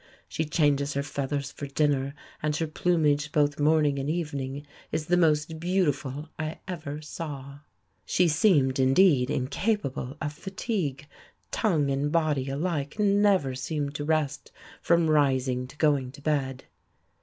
She changes her feathers for dinner, and her plumage both morning and evening is the most beautiful I ever saw." She seemed indeed incapable of fatigue. Tongue and body alike never seemed to rest, from rising to going to bed.